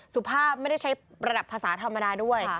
สุภาพไม่ได้ใช้ระดับภาษาธรรมดาด้วย